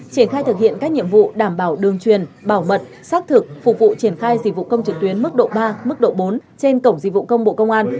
triển khai thực hiện các nhiệm vụ đảm bảo đường truyền bảo mật xác thực phục vụ triển khai dịch vụ công trực tuyến mức độ ba mức độ bốn trên cổng dịch vụ công bộ công an